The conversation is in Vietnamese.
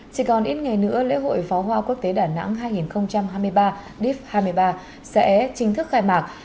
chỉ còn ít ngày nữa lễ hội pháo hoa quốc tế đà nẵng hai nghìn hai mươi ba deep hai mươi ba sẽ chính thức khai mạc